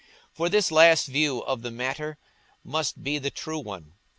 For this last view of the matter must be the true one.